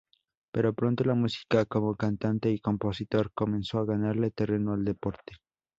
Pero pronto la música, como cantante y compositor, comenzó a ganarle terreno al deporte.